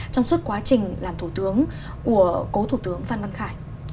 trong suốt quá trình làm thủ tướng của cố thủ tướng phan văn khải